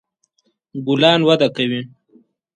ګلان وده کوي